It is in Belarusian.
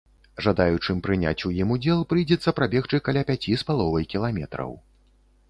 Жадаючым прыняць у ім удзел прыйдзецца прабегчы каля пяці з паловай кіламетраў.